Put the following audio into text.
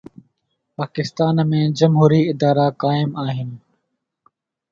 پاڪستان ۾ جمهوري ادارا قائم آهن.